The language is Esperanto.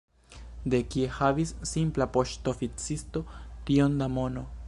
De kie havis simpla poŝtoficisto tiom da mono?